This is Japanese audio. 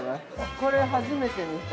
これ、初めて見た。